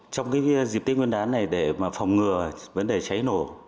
trong dịp tết nguyên đán này để phòng ngừa vấn đề cháy nổ